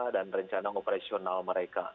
dan rencana operasional mereka